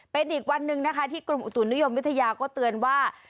เป็นอีกวันหนึ่งนะคะที่กรมอุตุนิยมวิทยาก็เตือนว่า